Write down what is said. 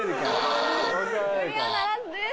クリアならずです。